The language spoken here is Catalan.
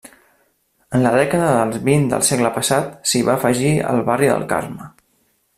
En la dècada dels vint del segle passat s'hi va afegir el barri del Carme.